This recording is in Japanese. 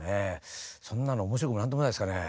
そんなの面白くも何ともないですかね。